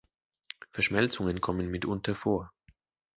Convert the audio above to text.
Verschmelzungen kommen mitunter vor.